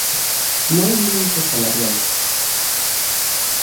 No hay límite salarial.